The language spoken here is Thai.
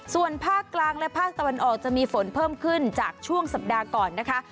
ส่วนภาคกลางและภาคตะวันออกจะมีฝนเพิ่มขึ้นจากช่วงสัปดาห์ก่อนนะคะ